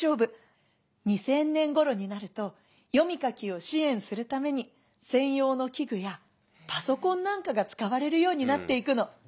２０００年ごろになると読み書きを支援するために専用の器具やパソコンなんかが使われるようになっていくの」。